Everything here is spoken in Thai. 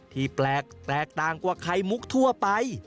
ที่แปลกแตกต่างกว่าไข่มุกทั่วไป